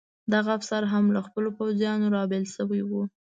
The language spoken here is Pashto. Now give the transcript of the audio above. دغه افسر هم له خپلو پوځیانو را بېل شوی و.